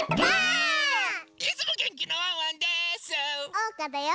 おうかだよ！